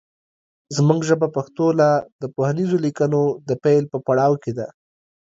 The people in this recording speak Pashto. زمونږ ژبه پښتو لا د پوهنیزو لیکنو د پیل په پړاو کې ده